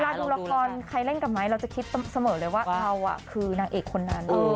ดูละครใครเล่นกับไม้เราจะคิดเสมอเลยว่าเราคือนางเอกคนนั้น